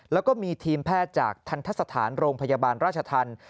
แล้วก็มีทีมแพทย์จากทันทะสถานโรงพยาบาลราชธรรม